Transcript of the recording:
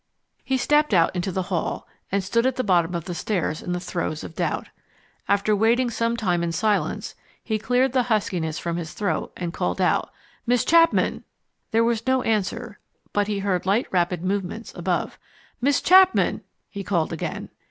He stepped out into the hall, and stood at the bottom of the stairs in the throes of doubt. After waiting some time in silence he cleared the huskiness from his throat and called out: "Miss Chapman!" There was no answer, but he heard light, rapid movements above. "Miss Chapman!" he called again.